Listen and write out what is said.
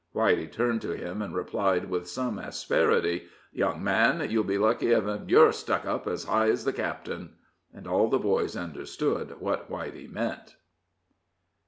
Whitey turned to him, and replied, with some asperity: "Young man, you'll be lucky ef you're ever stuck up as high as the captain." And all the boys understood what Whitey meant.